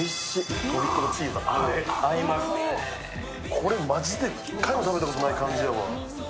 これマジで一回も食べたことない感じやわ。